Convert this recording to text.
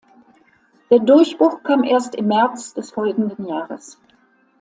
Der Durchbruch kam erst im März des folgenden Jahres.